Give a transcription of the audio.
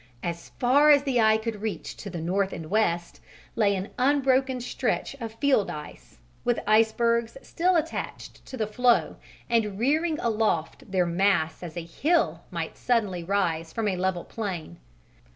As far as the eye could reach to the north and west lay an unbroken stretch of field ice, with icebergs still attached to the floe and rearing aloft their mass as a hill might suddenly rise from a level plain.